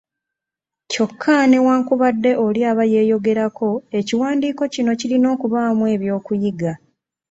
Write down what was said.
Kyokka newanakubadde oli aba yeeyogerako, ekiwandiiko kino kirina okubaamu eby'okuyiga.